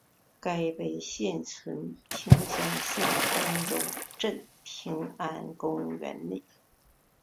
该碑现存平乡县丰州镇平安公园内。